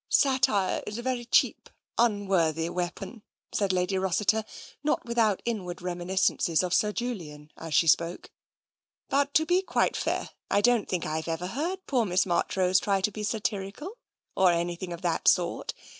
" Satire is a very cheap, unworthy weapon," said Lady Rossiter, not without inward reminiscences of Sir Julian as she spoke. " But to be quite fair, I don't think I've ever heard poor Miss Marchrose try to be satirical or anything of that sort.